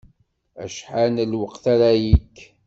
Acḥal n lweqt ara yekk?